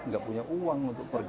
nggak punya uang untuk pergi